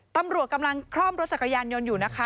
ตำรวจกำลังคล่อมรถจักรยานยนต์อยู่นะคะ